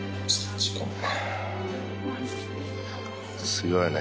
すごいね。